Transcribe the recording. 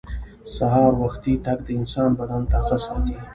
سهار وختي تګ د انسان بدن تازه ساتي